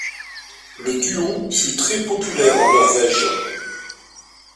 Le duo fut très populaire en Norvège.